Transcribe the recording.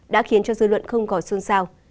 đã khiến cho dư luận không gọi xuân sao